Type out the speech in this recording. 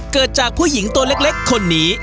เกิดจากผู้หญิงตัวเล็กคนนี้